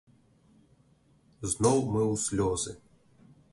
Зноў мы ў слёзы.